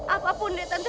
apapun deh tante